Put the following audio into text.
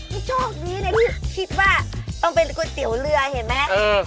นี่โชคดีนะที่คิดว่าต้องเป็นก๋วยเตี๋ยวเรือเห็นไหม